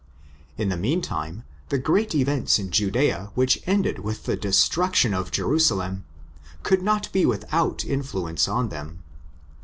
In the meantime, the great events in Judxa which ended with the destruction of Jerusalem, could not be without influence on them.